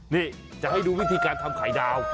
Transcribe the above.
นี่จะให้ดูวิธีการทำไข่ดาว